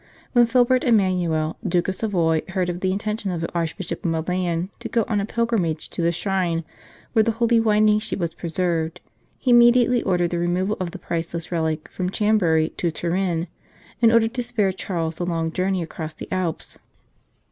When Philibert Emmanuel, Duke of Savoy, heard of the intention of the Archbishop of Milan to go on a pilgrimage to the shrine where the Holy Wind ing Sheet was preserved, he immediately ordered the removal of the priceless relic from Chambe ry to Turin, in order to spare Charles the long 162 The Holy Winding Sheet journey across the Alps.